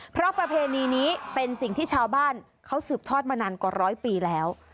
เพราะประเพณีนี้เป็นสิ่งที่ชาวบ้านเขาสืบทอดมานานกว่าร้อยปีแล้ว